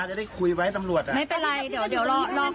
พี่ก็คุยธรรมดาไม่ได้เหรอ